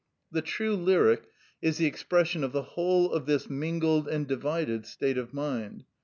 The true lyric is the expression of the whole of this mingled and divided state of mind.